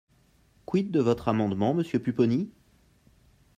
Quid de votre amendement, monsieur Pupponi?